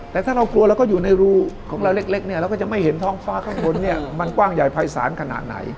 แต่ถ้าเรากลัวเราก็อยู่ในรูของเราเล็กเนี่ยเราก็จะไม่เห็นท้องฟ้าข้างบนเนี่ยมันกว้างใหญ่ภายศาลขนาดไหน